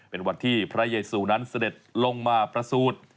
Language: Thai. เป็นวันที่พระยายซูนั้นเสด็จลงมาประสูจน์